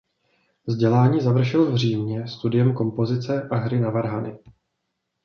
Vzdělání završil v Římě studiem kompozice a hry na varhany.